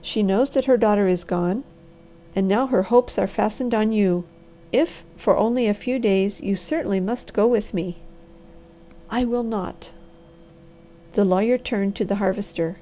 She knows that her daughter is gone, and now her hopes are fastened on you. If for only a few days, you certainly must go with me." "I will not!" The lawyer turned to the Harvester.